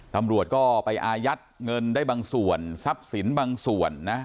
ตำรวจก็ไปอายัดเงินได้บางส่วนทรัพย์สินบางส่วนนะ